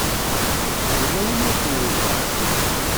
Yella win ay ken-yeẓran.